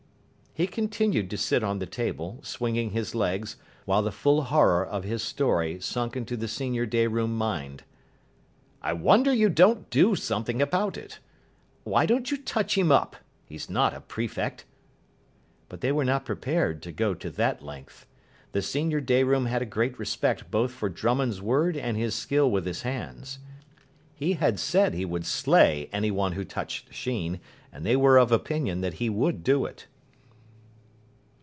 He continued to sit on the table, swinging his legs, while the full horror of his story sunk into the senior day room mind. "I wonder you don't do something about it. Why don't you touch him up? He's not a prefect." But they were not prepared to go to that length. The senior day room had a great respect both for Drummond's word and his skill with his hands. He had said he would slay any one who touched Sheen, and they were of opinion that he would do it.